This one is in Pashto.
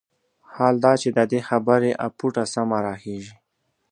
حال دا چې د دې خبرې اپوټه سمه راخېژي.